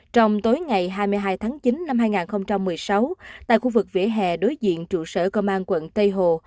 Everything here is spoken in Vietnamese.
trong tối ngày hai mươi hai tháng chín năm hai nghìn một mươi sáu tại khu vực vỉa hè đối diện trụ sở công an quận tây hồ